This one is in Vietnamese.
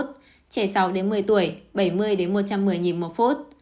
trẻ từ sáu đến một mươi tuổi bảy mươi đến một trăm một mươi nhịp một phút